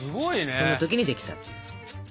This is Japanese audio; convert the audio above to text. その時にできた。